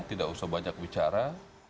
tidak usah banyak bicara